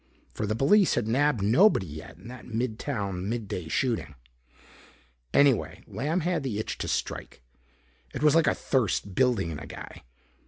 For the police had nabbed nobody yet in that mid town mid day shooting. Anyway, Lamb had the itch to strike. It was like a thirst building in a guy.